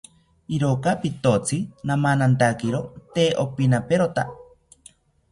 Iroka pitotzi namanantakiro tee opinaperota